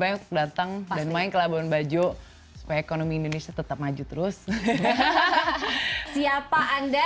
banyak datang dan main ke labuan bajo supaya ekonomi indonesia tetap maju terus siapa anda